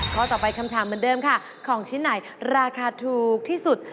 ข้อต่อไปคำถามเหมือนเดิมค่ะของชิ้นไหนราคาถูกที่สุด